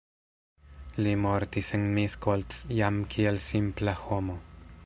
Li mortis en Miskolc jam kiel simpla homo.